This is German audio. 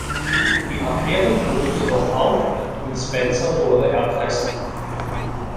Die Affäre flog jedoch auf und Spencer wurde erpresst.